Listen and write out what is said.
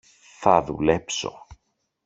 Θα δουλέψω!